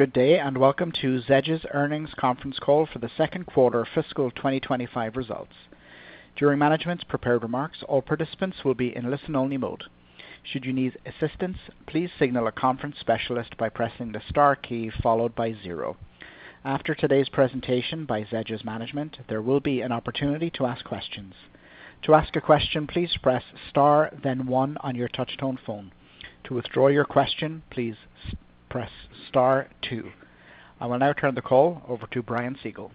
Good day and welcome to Zedge's Earnings Conference Call for the Second Quarter of Fiscal 2025 Results. During management's prepared remarks, all participants will be in listen-only mode. Should you need assistance, please signal a conference specialist by pressing the star key followed by zero. After today's presentation by Zedge's management, there will be an opportunity to ask questions. To ask a question, please press star, then one on your touch-tone phone. To withdraw your question, please press star, two. I will now turn the call over to Brian Siegel.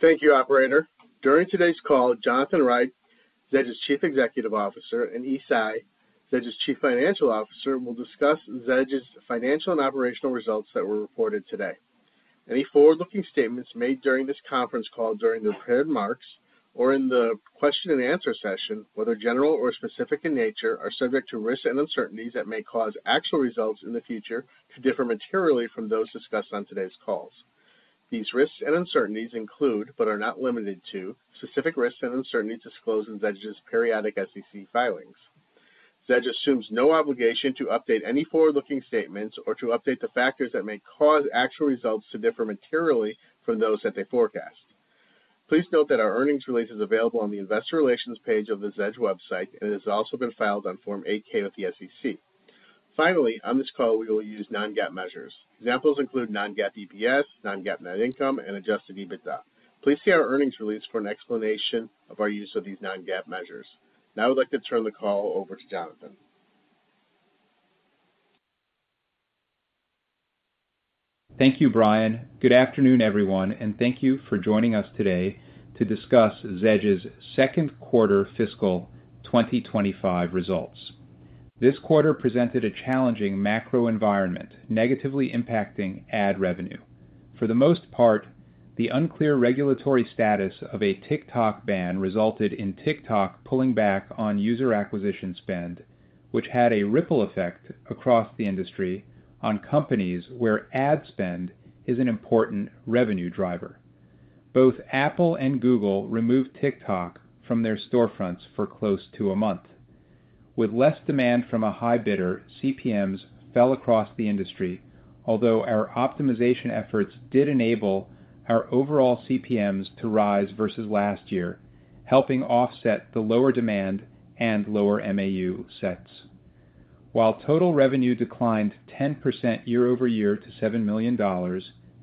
Thank you, Operator. During today's call, Jonathan Reich, Zedge's Chief Executive Officer, and Yi Tsai, Zedge's Chief Financial Officer, will discuss Zedge's financial and operational results that were reported today. Any forward-looking statements made during this conference call during the prepared remarks or in the question-and-answer session, whether general or specific in nature, are subject to risks and uncertainties that may cause actual results in the future to differ materially from those discussed on today's calls. These risks and uncertainties include, but are not limited to, specific risks and uncertainties disclosed in Zedge's periodic SEC filings. Zedge assumes no obligation to update any forward-looking statements or to update the factors that may cause actual results to differ materially from those that they forecast. Please note that our earnings release is available on the investor relations page of the Zedge website, and it has also been filed on Form 8-K with the SEC. Finally, on this call, we will use non-GAAP measures. Examples include non-GAAP EPS, non-GAAP net income, and adjusted EBITDA. Please see our earnings release for an explanation of our use of these non-GAAP measures. Now I'd like to turn the call over to Jonathan. Thank you, Brian. Good afternoon, everyone, and thank you for joining us today to discuss Zedge's Second Quarter Fiscal 2025 Results. This quarter presented a challenging macro environment negatively impacting ad revenue. For the most part, the unclear regulatory status of a TikTok ban resulted in TikTok pulling back on user acquisition spend, which had a ripple effect across the industry on companies where ad spend is an important revenue driver. Both Apple and Google removed TikTok from their storefronts for close to a month. With less demand from a high bidder, CPMs fell across the industry, although our optimization efforts did enable our overall CPMs to rise versus last year, helping offset the lower demand and lower MAU sets. While total revenue declined 10% year over year to $7 million,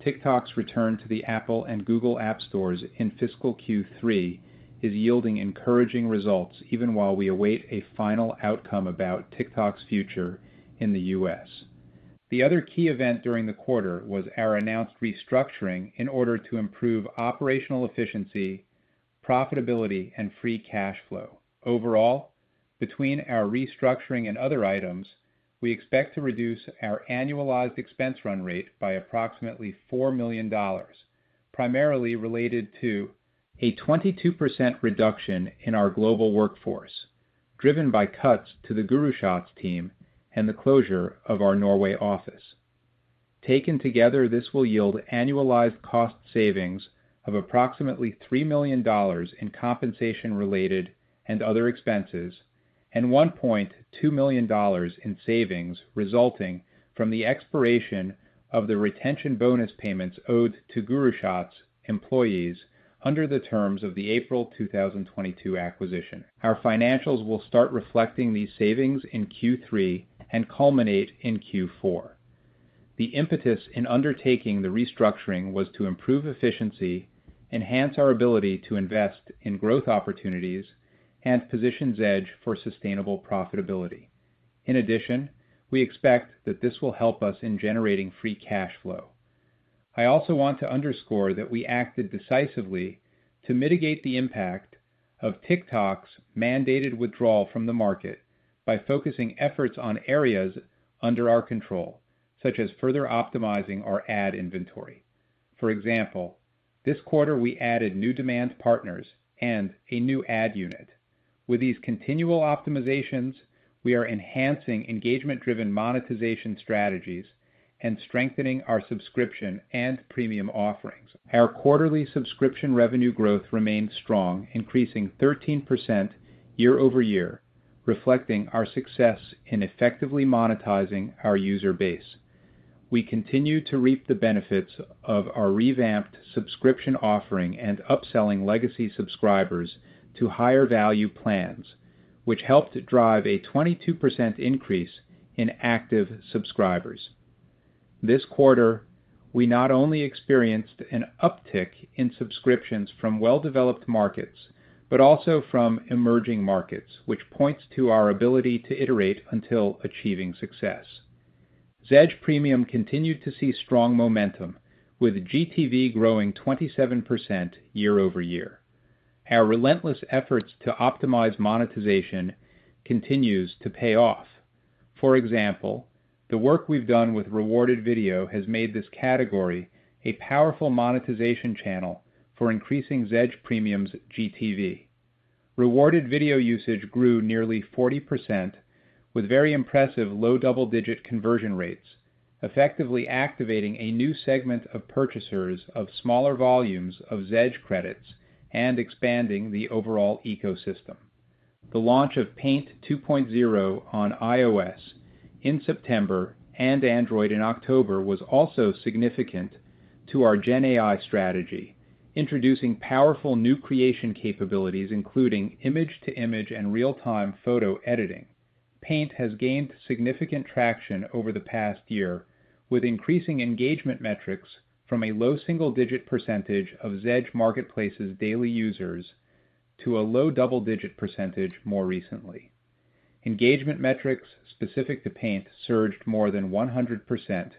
TikTok's return to the Apple and Google app stores in fiscal Q3 is yielding encouraging results even while we await a final outcome about TikTok's future in the U.S. The other key event during the quarter was our announced restructuring in order to improve operational efficiency, profitability, and free cash flow. Overall, between our restructuring and other items, we expect to reduce our annualized expense run rate by approximately $4 million, primarily related to a 22% reduction in our global workforce driven by cuts to the GuruShots team and the closure of our Norway office. Taken together, this will yield annualized cost savings of approximately $3 million in compensation-related and other expenses and $1.2 million in savings resulting from the expiration of the retention bonus payments owed to GuruShots employees under the terms of the April 2022 acquisition. Our financials will start reflecting these savings in Q3 and culminate in Q4. The impetus in undertaking the restructuring was to improve efficiency, enhance our ability to invest in growth opportunities, and position Zedge for sustainable profitability. In addition, we expect that this will help us in generating free cash flow. I also want to underscore that we acted decisively to mitigate the impact of TikTok's mandated withdrawal from the market by focusing efforts on areas under our control, such as further optimizing our ad inventory. For example, this quarter we added new demand partners and a new ad unit. With these continual optimizations, we are enhancing engagement-driven monetization strategies and strengthening our subscription and premium offerings. Our quarterly subscription revenue growth remained strong, increasing 13% year-over-year, reflecting our success in effectively monetizing our user base. We continue to reap the benefits of our revamped subscription offering and upselling legacy subscribers to higher value plans, which helped drive a 22% increase in active subscribers. This quarter, we not only experienced an uptick in subscriptions from well-developed markets but also from emerging markets, which points to our ability to iterate until achieving success. Zedge Premium continued to see strong momentum, with GTV growing 27% year over year. Our relentless efforts to optimize monetization continue to pay off. For example, the work we've done with rewarded video has made this category a powerful monetization channel for increasing Zedge Premium's GTV. Rewarded video usage grew nearly 40%, with very impressive low double-digit conversion rates, effectively activating a new segment of purchasers of smaller volumes of Zedge credits and expanding the overall ecosystem. The launch of Paint 2.0 on iOS in September and Android in October was also significant to our GenAI strategy, introducing powerful new creation capabilities including image-to-image and real-time photo editing. Paint has gained significant traction over the past year, with increasing engagement metrics from a low single-digit percentage of Zedge Marketplace's daily users to a low double-digit percentage more recently. Engagement metrics specific to Paint surged more than 100%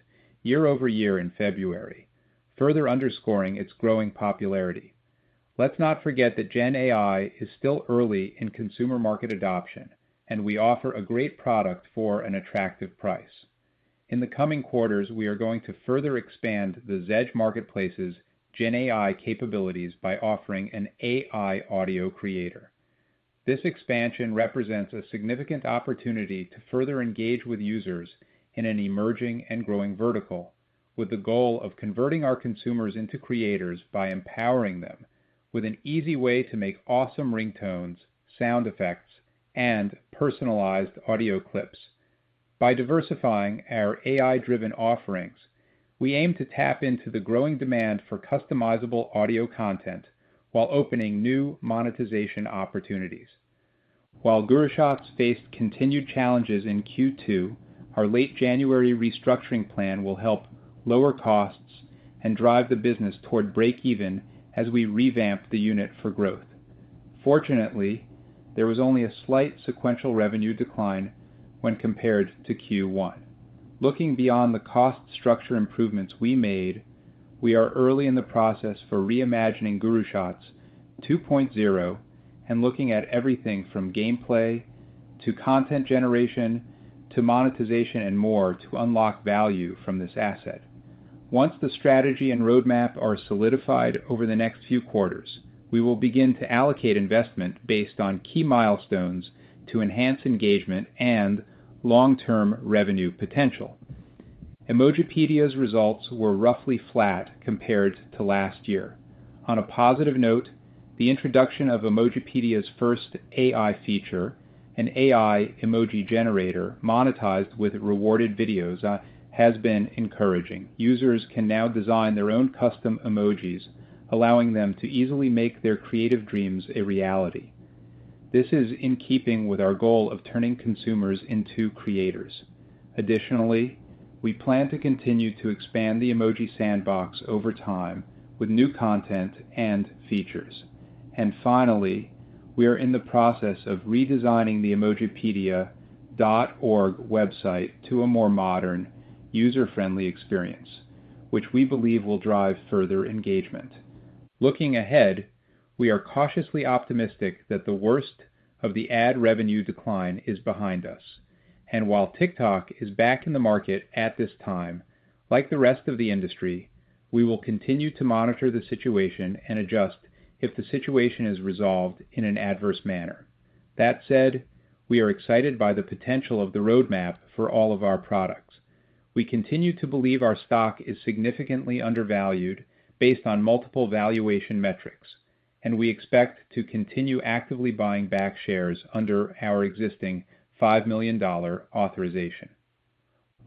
year over year in February, further underscoring its growing popularity. Let's not forget that GenAI is still early in consumer market adoption, and we offer a great product for an attractive price. In the coming quarters, we are going to further expand the Zedge Marketplace's GenAI capabilities by offering an AI audio creator. This expansion represents a significant opportunity to further engage with users in an emerging and growing vertical, with the goal of converting our consumers into creators by empowering them with an easy way to make awesome ringtones, sound effects, and personalized audio clips. By diversifying our AI-driven offerings, we aim to tap into the growing demand for customizable audio content while opening new monetization opportunities. While GuruShots faced continued challenges in Q2, our late January restructuring plan will help lower costs and drive the business toward break-even as we revamp the unit for growth. Fortunately, there was only a slight sequential revenue decline when compared to Q1. Looking beyond the cost structure improvements we made, we are early in the process for reimagining GuruShots 2.0 and looking at everything from gameplay to content generation to monetization and more to unlock value from this asset. Once the strategy and roadmap are solidified over the next few quarters, we will begin to allocate investment based on key milestones to enhance engagement and long-term revenue potential. Emojipedia's results were roughly flat compared to last year. On a positive note, the introduction of Emojipedia's first AI feature, an AI emoji generator monetized with rewarded videos, has been encouraging. Users can now design their own custom emojis, allowing them to easily make their creative dreams a reality. This is in keeping with our goal of turning consumers into creators. Additionally, we plan to continue to expand the emoji sandbox over time with new content and features. Finally, we are in the process of redesigning the emojipedia.org website to a more modern, user-friendly experience, which we believe will drive further engagement. Looking ahead, we are cautiously optimistic that the worst of the ad revenue decline is behind us. While TikTok is back in the market at this time, like the rest of the industry, we will continue to monitor the situation and adjust if the situation is resolved in an adverse manner. That said, we are excited by the potential of the roadmap for all of our products. We continue to believe our stock is significantly undervalued based on multiple valuation metrics, and we expect to continue actively buying back shares under our existing $5 million authorization.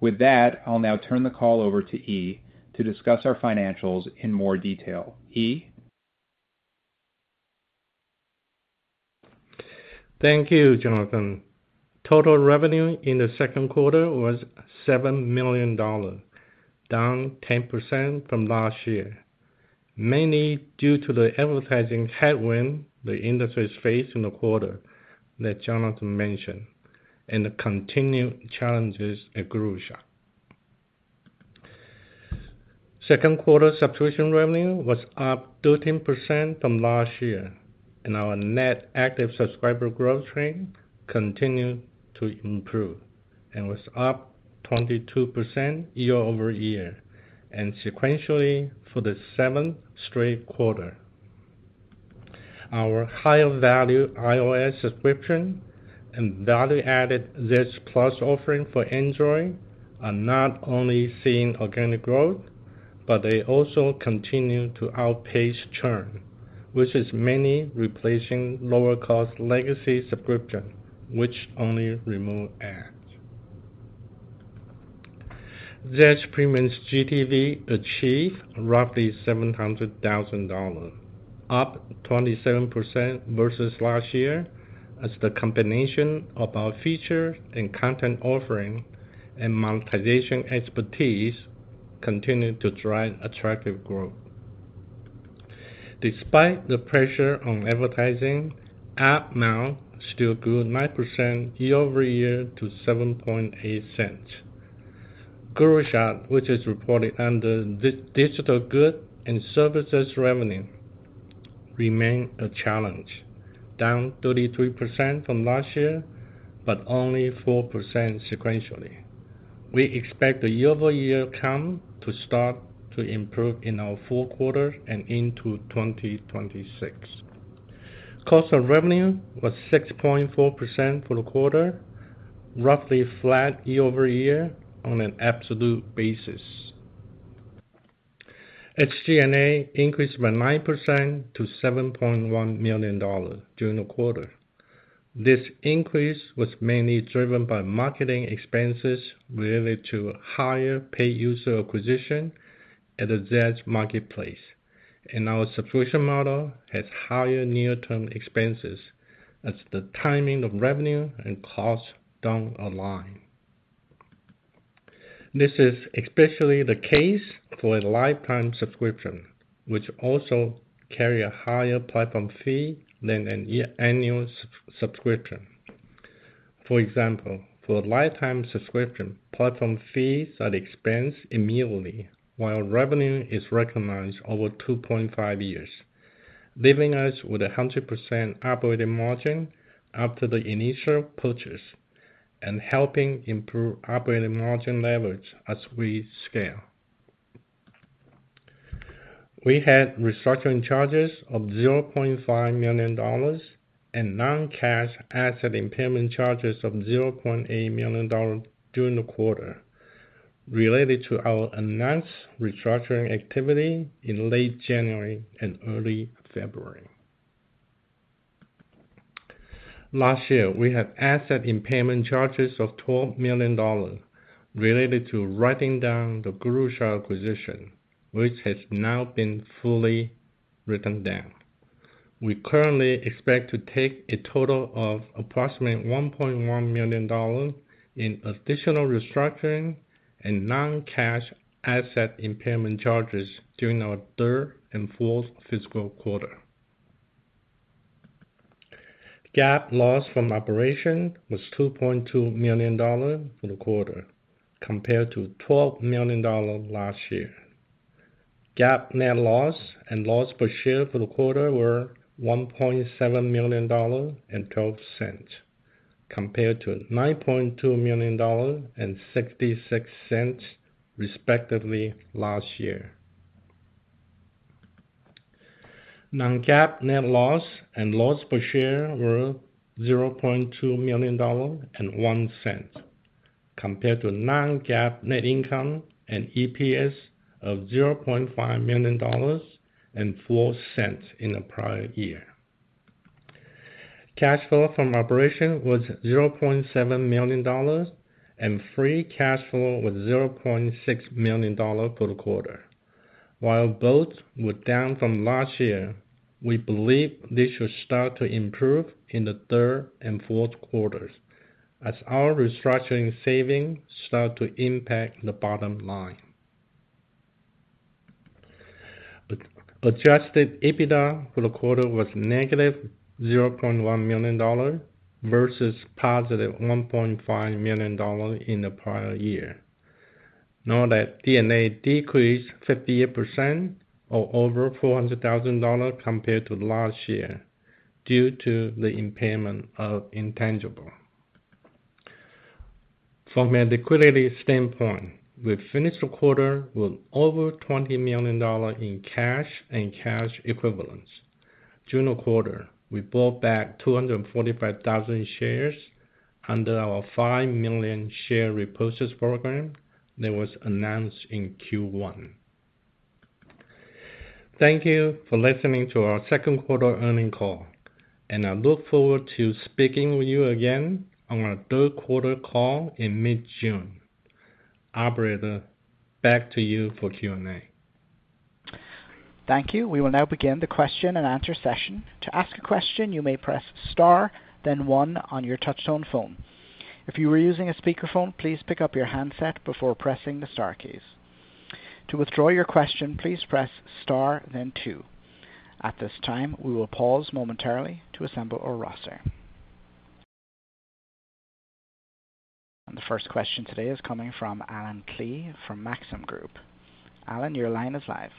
With that, I'll now turn the call over to Yi to discuss our financials in more detail. Yi. Thank you, Jonathan. Total revenue in the second quarter was $7 million, down 10% from last year, mainly due to the advertising headwind the industry is facing in the quarter that Jonathan mentioned and the continued challenges at GuruShots. Second quarter subscription revenue was up 13% from last year, and our net active subscriber growth rate continued to improve and was up 22% year over year and sequentially for the seventh straight quarter. Our higher-value iOS subscription and value-added Zedge Plus offering for Android are not only seeing organic growth, but they also continue to outpace churn, which is mainly replacing lower-cost legacy subscriptions, which only remove ads. Zedge Premium's GTV achieved roughly $700,000, up 27% versus last year, as the combination of our feature and content offering and monetization expertise continues to drive attractive growth. Despite the pressure on advertising, ARPMAU still grew 9% year over year to $0.078. GuruShots, which is reported under digital goods and services revenue, remains a challenge, down 33% from last year, but only 4% sequentially. We expect the year-over-year count to start to improve in our fourth quarter and into 2026. Cost of revenue was 6.4% for the quarter, roughly flat year over year on an absolute basis. SG&A increased by 9% to $7.1 million during the quarter. This increase was mainly driven by marketing expenses related to higher paid user acquisition at the Zedge Marketplace, and our subscription model has higher near-term expenses as the timing of revenue and cost don't align. This is especially the case for a lifetime subscription, which also carries a higher platform fee than an annual subscription. For example, for a lifetime subscription, platform fees are expensed immediately while revenue is recognized over 2.5 years, leaving us with a 100% operating margin after the initial purchase and helping improve operating margin levels as we scale. We had restructuring charges of $500,000 and non-cash asset impairment charges of $800,000 during the quarter related to our announced restructuring activity in late January and early February. Last year, we had asset impairment charges of $12 million related to writing down the GuruShots acquisition, which has now been fully written down. We currently expect to take a total of approximately $1.1 million in additional restructuring and non-cash asset impairment charges during our third and fourth fiscal quarter. GAAP loss from operation was $2.2 million for the quarter, compared to $12 million last year. GAAP net loss and loss per share for the quarter were $1.7 million and $0.12, compared to $9.2 million and $0.66, respectively, last year. Non-GAAP net loss and loss per share were $0.2 million and $0.01, compared to non-GAAP net income and EPS of $0.5 million and $0.04 in the prior year. Cash flow from operation was $0.7 million, and free cash flow was $0.6 million for the quarter. While both were down from last year, we believe this should start to improve in the third and fourth quarters as our restructuring savings start to impact the bottom line. Adjusted EBITDA for the quarter was negative $0.1 million versus positive $1.5 million in the prior year, knowing that D&A decreased 58% or over $400,000 compared to last year due to the impairment of intangible. From a liquidity standpoint, we finished the quarter with over $20 million in cash and cash equivalents. During the quarter, we bought back 245,000 shares under our 5 million share repurchase program that was announced in Q1. Thank you for listening to our second quarter earning call, and I look forward to speaking with you again on our third quarter call in mid-June. Operator, back to you for Q&A. Thank you. We will now begin the question-and-answer session. To ask a question, you may press star, then one on your touch-tone phone. If you are using a speakerphone, please pick up your handset before pressing the star keys. To withdraw your question, please press star, then two. At this time, we will pause momentarily to assemble a roster. The first question today is coming from Allen Klee from Maxim Group. Allen, your line is live.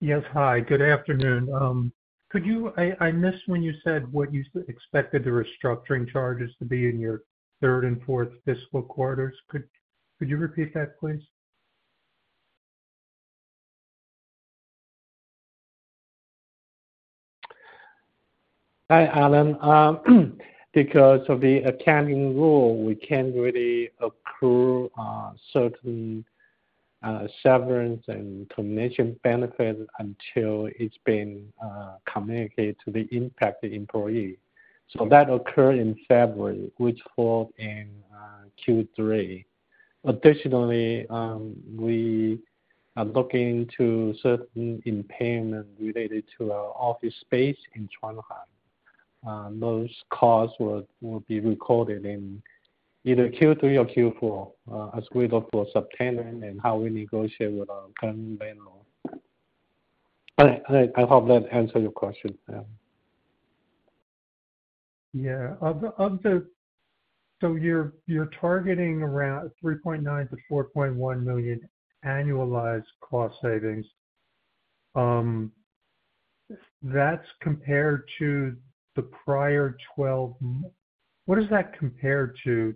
Yes, hi. Good afternoon. Could you—I missed when you said what you expected the restructuring charges to be in your third and fourth fiscal quarters. Could you repeat that, please? Hi, Allen. Because of the accounting rule, we can't really accrue certain severance and termination benefits until it's been communicated to the impacted employee. That occurred in February, which falls in Q3. Additionally, we are looking into certain impairments related to our office space in Trondheim. Those costs will be recorded in either Q3 or Q4 as we look for sub-tenanting and how we negotiate with our current landlord. I hope that answers your question. Yeah. So you're targeting around $3.9-$4.1 million annualized cost savings. That's compared to the prior twelve. What does that compare to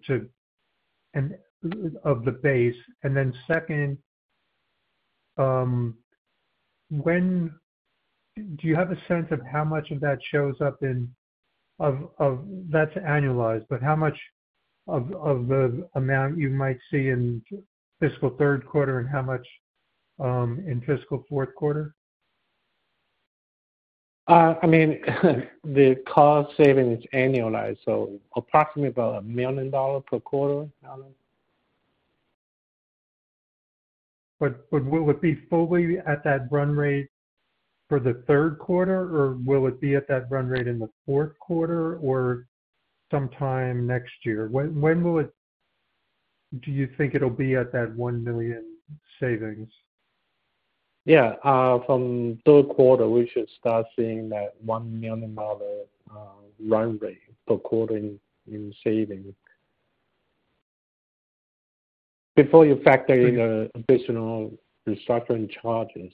of the base? Then second, do you have a sense of how much of that shows up in—that's annualized, but how much of the amount you might see in fiscal third quarter and how much in fiscal fourth quarter? I mean, the cost savings is annualized, so approximately about $1 million per quarter, Allen. Will it be fully at that run rate for the third quarter, or will it be at that run rate in the fourth quarter or sometime next year? When do you think it'll be at that $1 million savings? Yeah. From third quarter, we should start seeing that $1 million run rate for quarterly savings before you factor in the additional restructuring charges.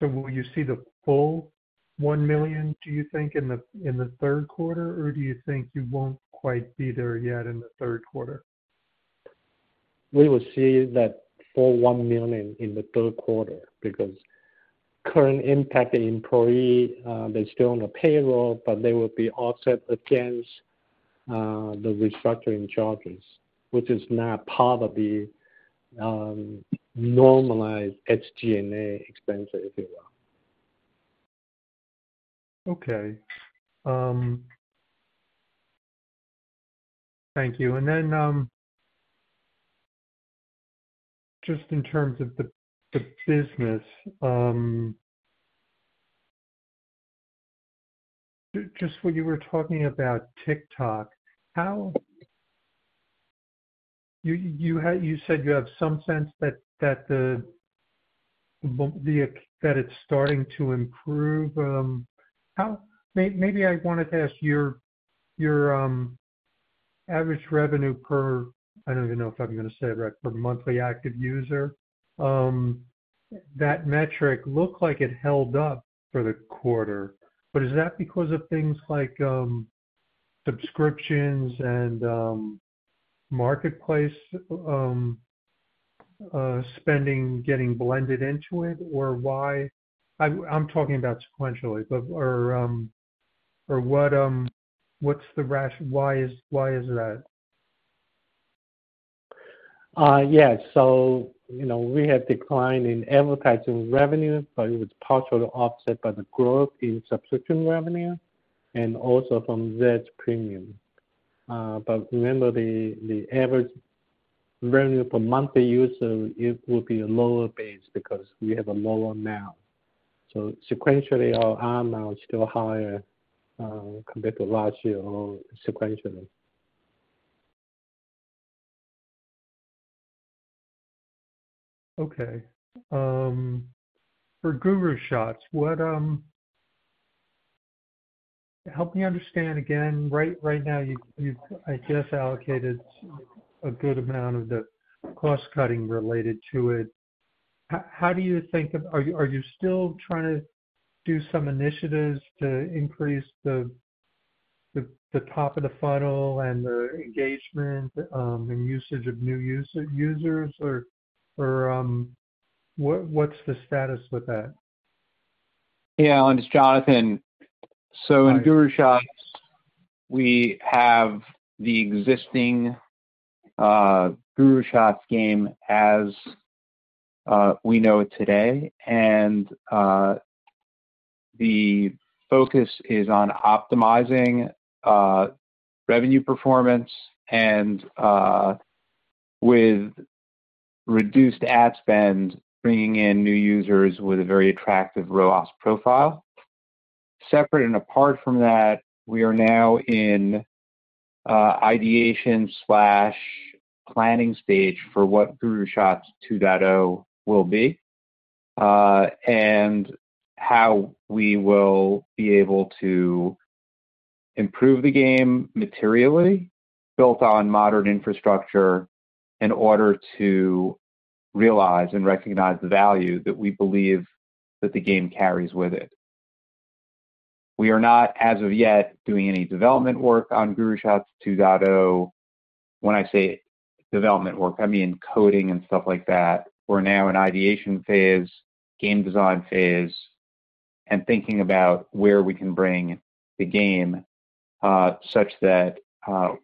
Will you see the full one million, do you think, in the third quarter, or do you think you won't quite be there yet in the third quarter? We will see that full $1 million in the third quarter because current impacted employees, they're still on the payroll, but they will be offset against the restructuring charges, which is not part of the normalized SG&A expenses, if you will. Okay. Thank you. Just in terms of the business, just when you were talking about TikTok, you said you have some sense that it's starting to improve. Maybe I wanted to ask your average revenue per—I don't even know if I'm going to say it right—per monthly active user. That metric looked like it held up for the quarter, but is that because of things like subscriptions and marketplace spending getting blended into it, or why? I'm talking about sequentially, but what's the rationale? Why is that? Yeah. We had a decline in advertising revenue, but it was partially offset by the growth in subscription revenue and also from Zedge Premium. Remember, the average revenue per monthly user, it will be a lower base because we have a lower amount. Sequentially, our ARPMAU is still higher compared to last year or sequentially. Okay. For GuruShots, help me understand again. Right now, you've, I guess, allocated a good amount of the cost cutting related to it. How do you think—are you still trying to do some initiatives to increase the top of the funnel and the engagement and usage of new users, or what's the status with that? Yeah. I'm Jonathan. In GuruShots, we have the existing GuruShots game as we know it today, and the focus is on optimizing revenue performance and, with reduced ad spend, bringing in new users with a very attractive ROAS profile. Separate and apart from that, we are now in ideation/planning stage for what GuruShots 2.0 will be and how we will be able to improve the game materially, built on modern infrastructure, in order to realize and recognize the value that we believe that the game carries with it. We are not, as of yet, doing any development work on GuruShots 2.0. When I say development work, I mean coding and stuff like that. We're now in ideation phase, game design phase, and thinking about where we can bring the game such that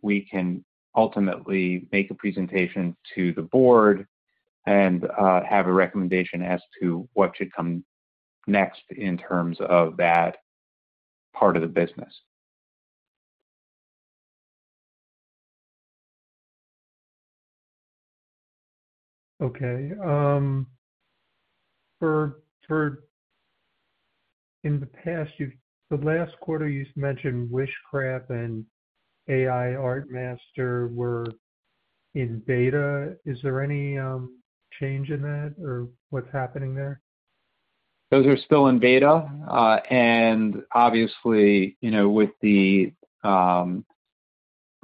we can ultimately make a presentation to the board and have a recommendation as to what should come next in terms of that part of the business. Okay. In the past, the last quarter, you mentioned WishCraft and AI Art Master were in beta. Is there any change in that, or what's happening there? Those are still in beta. Obviously, with the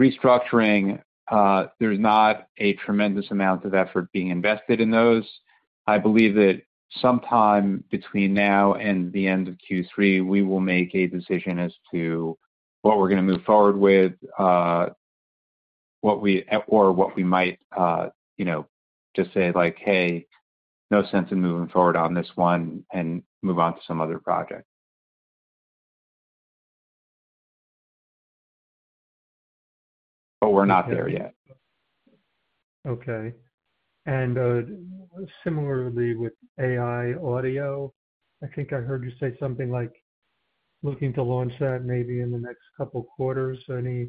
restructuring, there's not a tremendous amount of effort being invested in those. I believe that sometime between now and the end of Q3, we will make a decision as to what we're going to move forward with or what we might just say like, "Hey, no sense in moving forward on this one," and move on to some other project. We're not there yet. Okay. Similarly with AI audio, I think I heard you say something like looking to launch that maybe in the next couple of quarters. Any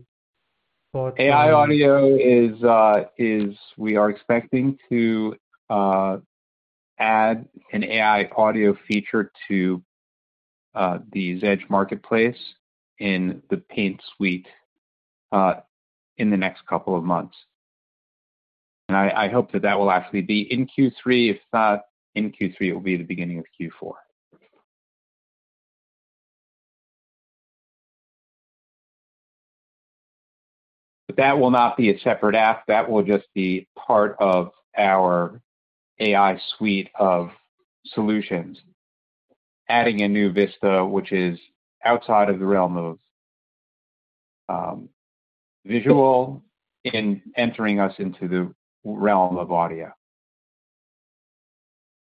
thoughts on that? AI audio is we are expecting to add an AI audio feature to the Zedge Marketplace in the Paint suite in the next couple of months. I hope that that will actually be in Q3. If not in Q3, it will be the beginning of Q4. That will not be a separate app. That will just be part of our AI suite of solutions, adding a new vista, which is outside of the realm of visual and entering us into the realm of audio.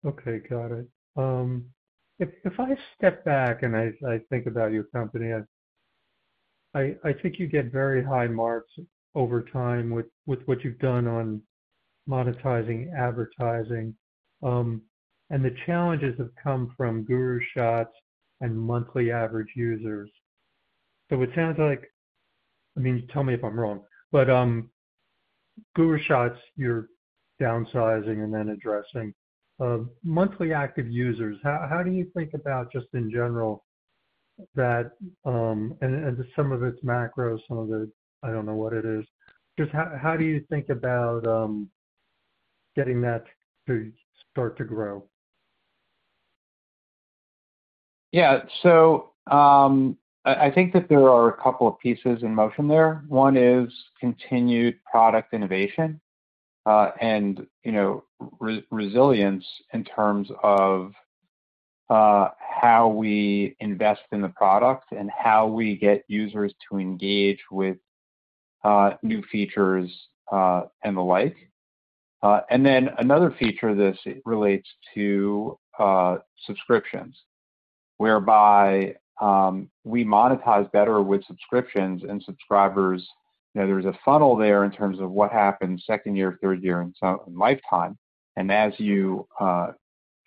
Okay. Got it. If I step back and I think about your company, I think you get very high marks over time with what you've done on monetizing advertising. The challenges have come from GuruShots and monthly active users. It sounds like—I mean, tell me if I'm wrong—but GuruShots, you're downsizing and then addressing. Monthly active users, how do you think about, just in general, that and some of its macros, some of the—I don't know what it is. Just how do you think about getting that to start to grow? Yeah. I think that there are a couple of pieces in motion there. One is continued product innovation and resilience in terms of how we invest in the product and how we get users to engage with new features and the like. Another feature relates to subscriptions, whereby we monetize better with subscriptions and subscribers. There's a funnel there in terms of what happens second year, third year, and lifetime.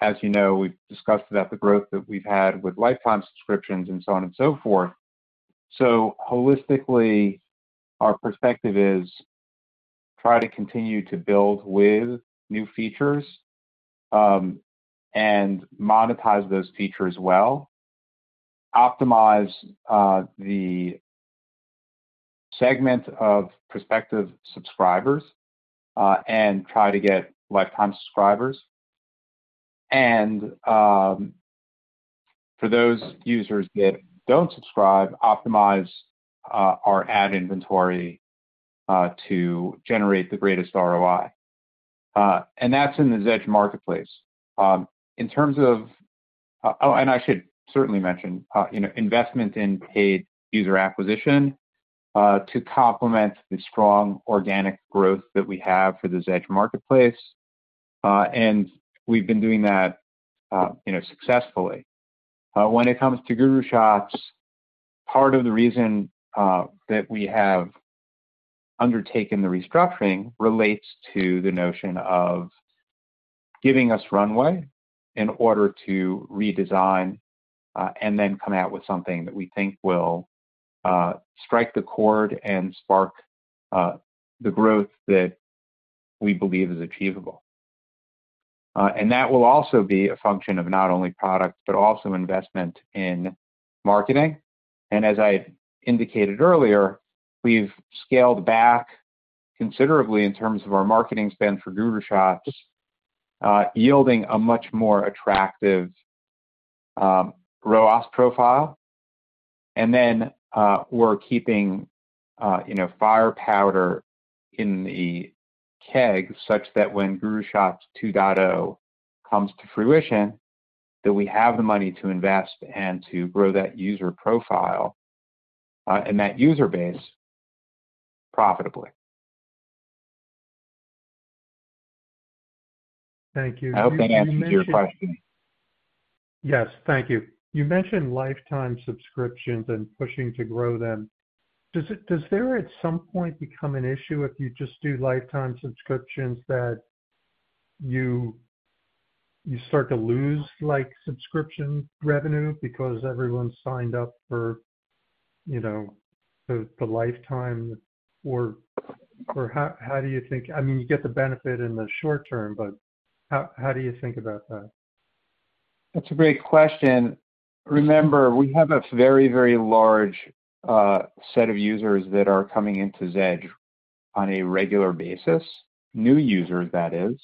As you know, we've discussed the growth that we've had with lifetime subscriptions and so on and so forth. Holistically, our perspective is try to continue to build with new features and monetize those features well, optimize the segment of prospective subscribers, and try to get lifetime subscribers. For those users that don't subscribe, optimize our ad inventory to generate the greatest ROI. That's in the Zedge Marketplace. In terms of—oh, I should certainly mention investment in paid user acquisition to complement the strong organic growth that we have for the Zedge Marketplace. We have been doing that successfully. When it comes to GuruShots, part of the reason that we have undertaken the restructuring relates to the notion of giving us runway in order to redesign and then come out with something that we think will strike the chord and spark the growth that we believe is achievable. That will also be a function of not only product but also investment in marketing. As I indicated earlier, we have scaled back considerably in terms of our marketing spend for GuruShots, yielding a much more attractive ROAS profile. We're keeping fire powder in the keg such that when GuruShots 2.0 comes to fruition, that we have the money to invest and to grow that user profile and that user base profitably. Thank you. I hope that answers your question. Yes. Thank you. You mentioned lifetime subscriptions and pushing to grow them. Does there at some point become an issue if you just do lifetime subscriptions that you start to lose subscription revenue because everyone's signed up for the lifetime? I mean, you get the benefit in the short term, but how do you think about that? That's a great question. Remember, we have a very, very large set of users that are coming into Zedge on a regular basis, new users, that is.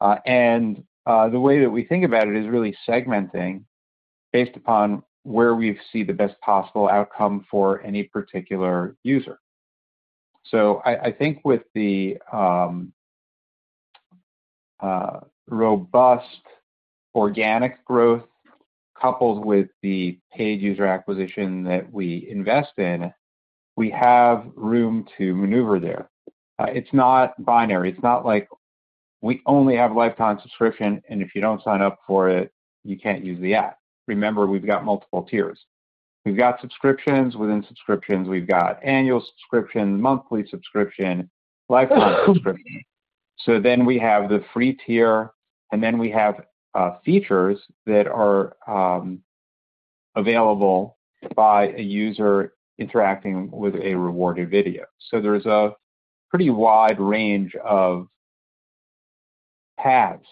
The way that we think about it is really segmenting based upon where we see the best possible outcome for any particular user. I think with the robust organic growth coupled with the paid user acquisition that we invest in, we have room to maneuver there. It's not binary. It's not like we only have lifetime subscription, and if you don't sign up for it, you can't use the app. Remember, we've got multiple tiers. We've got subscriptions. Within subscriptions, we've got annual subscription, monthly subscription, lifetime subscription. We have the free tier, and we have features that are available by a user interacting with a rewarded video. There is a pretty wide range of paths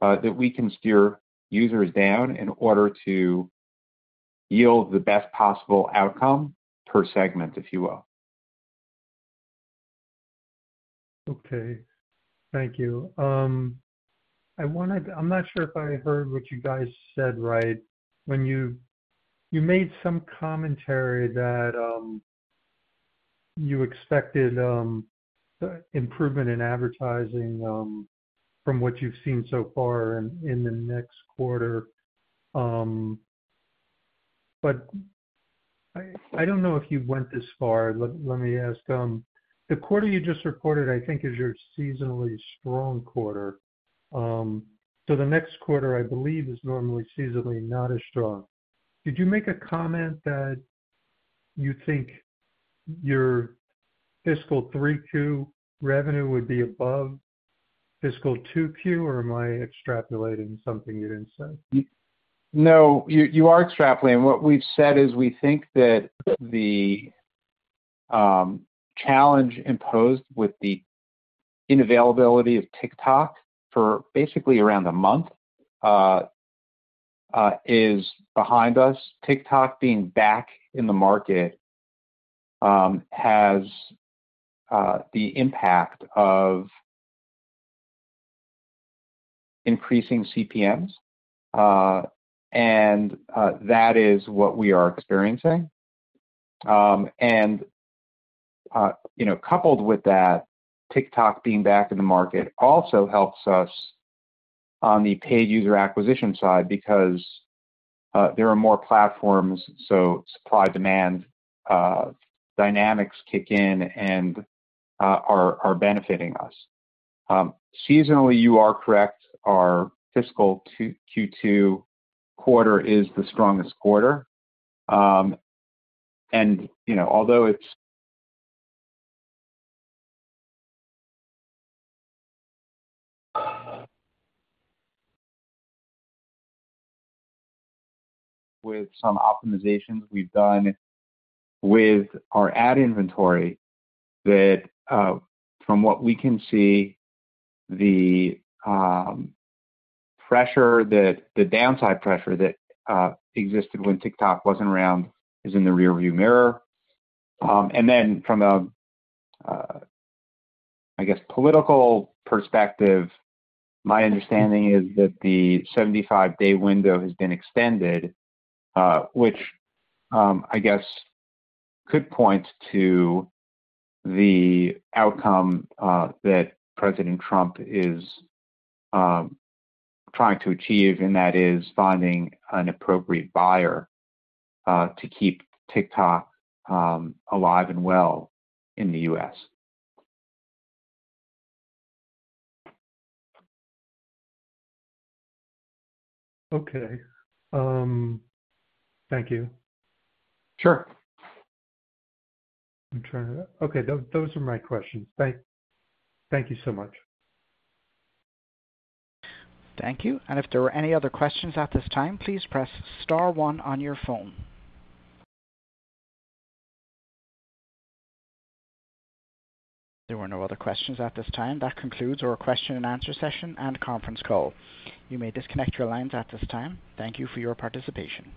that we can steer users down in order to yield the best possible outcome per segment, if you will. Okay. Thank you. I'm not sure if I heard what you guys said right. You made some commentary that you expected improvement in advertising from what you've seen so far in the next quarter. I don't know if you went this far. Let me ask. The quarter you just reported, I think, is your seasonally strong quarter. The next quarter, I believe, is normally seasonally not as strong. Did you make a comment that you think your fiscal 3Q revenue would be above fiscal 2Q, or am I extrapolating something you didn't say? No. You are extrapolating. What we've said is we think that the challenge imposed with the inavailability of TikTok for basically around a month is behind us. TikTok being back in the market has the impact of increasing CPMs, and that is what we are experiencing. Coupled with that, TikTok being back in the market also helps us on the paid user acquisition side because there are more platforms, so supply-demand dynamics kick in and are benefiting us. Seasonally, you are correct. Our fiscal Q2 quarter is the strongest quarter. Although it's with some optimizations we've done with our ad inventory, from what we can see, the downside pressure that existed when TikTok wasn't around is in the rearview mirror. From a political perspective, my understanding is that the 75-day window has been extended, which I guess could point to the outcome that President Trump is trying to achieve, and that is finding an appropriate buyer to keep TikTok alive and well in the US. Okay. Thank you. Sure. I'm trying to—okay. Those are my questions. Thank you so much. Thank you. If there are any other questions at this time, please press star one on your phone. There are no other questions at this time. That concludes our question-and-answer session and conference call. You may disconnect your lines at this time. Thank you for your participation.